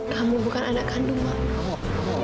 kamu bukan anak kandung mama